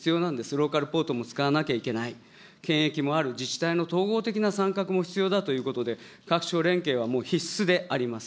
ローカルポートも使わなきゃいけない、検疫もある、自治体の統合的な参画も必要だということで、各省連携はもう必須であります。